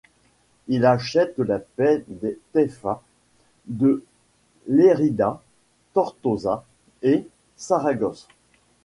Il achète la paix des taifas de Lérida, Tortosa et Saragosse.